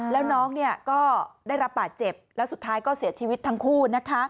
แล้วน้องก็ได้รับบาดเจ็บแล้วสุดท้ายก็เสียชีวิตทั้งคู่นะคะ